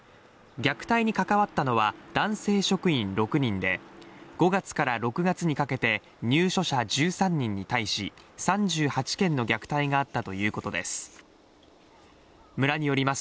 虐待に関わったのは男性職員６人で５月から６月にかけて入所者１３人に対し３８件の虐待があったということです